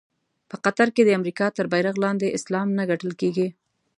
په قطر کې د امریکا تر بېرغ لاندې اسلام نه ګټل کېږي.